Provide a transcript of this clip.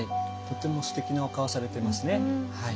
とてもすてきなお顔をされていますね。